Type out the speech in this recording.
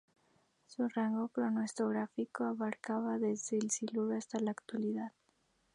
Su rango cronoestratigráfico abarcaba desde el Silúrico hasta la Actualidad.